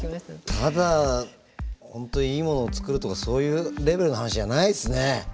ただ本当にいいものを作るとかそういうレベルの話じゃないっすね。